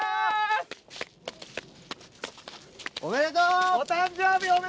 おめでとう！